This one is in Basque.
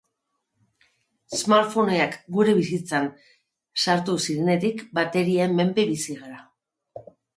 Smartphoneak gure bizitzan sartu zirenetik, baterien menpe bizi gara.